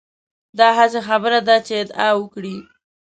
دا هسې خبره ده چې ادعا وکړي.